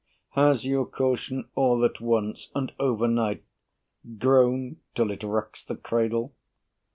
Has your caution all at once, And over night, grown till it wrecks the cradle?